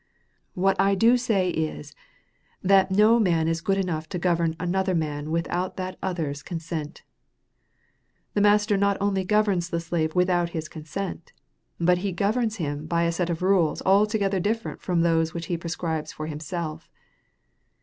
What I do say is, that no man is good enough to govern another man without that other's consent. The master not only governs the slave without his consent, but he governs him by a set of rules altogether different from those which he prescribes for himself.